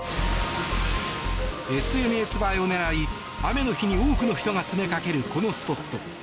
ＳＮＳ映えを狙い雨の日に多くの人が詰めかけるこのスポット。